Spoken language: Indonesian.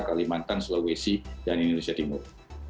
kalimantan sulawesi dan indonesia timur